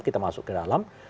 kita masuk ke dalam